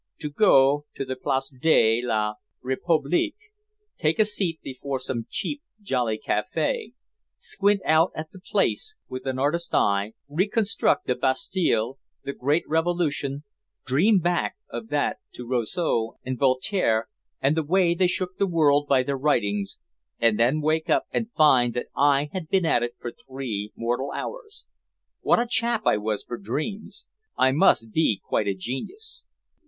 To go to the Place de la République, take a seat before some cheap, jolly café, squint out at the Place with an artist's eye, reconstruct the Bastille, the Great Revolution, dream back of that to Rousseau and Voltaire and the way they shook the world by their writings and then wake up and find that I had been at it for three mortal hours! What a chap I was for dreams. I must be quite a genius.